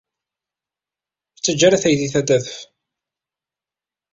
Ur ttaǧǧa ara taydit ad d-tadef.